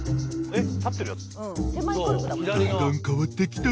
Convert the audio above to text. えっ？